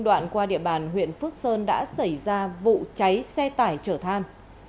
đoạn qua địa bàn huyện phước sơn đã xảy ra vụ cháy xe tải chở than